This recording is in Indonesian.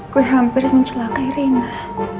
gue hampir mencelakai rena